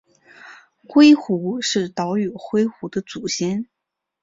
灰狐是岛屿灰狐的祖先。